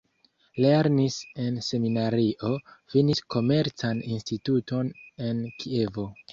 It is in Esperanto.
Lernis en seminario, finis Komercan Instituton en Kievo.